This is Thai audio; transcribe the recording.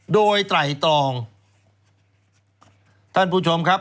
โดยไตรตรองท่านผู้ชมครับ